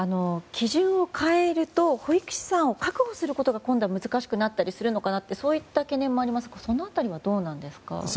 基準を変えると保育士さんを確保することが今度は難しくなったりするのかなとそういった懸念もありますがその辺りはどうなんですか？